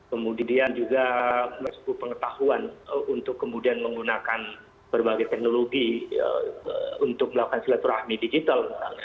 kemudian juga pengetahuan untuk kemudian menggunakan berbagai teknologi untuk melakukan silaturahmi digital